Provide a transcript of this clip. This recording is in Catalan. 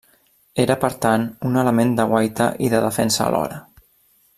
Era per tant un element de guaita i de defensa alhora.